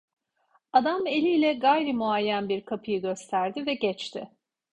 Adam eliyle gayri muayyen bir kapıyı gösterdi ve geçti.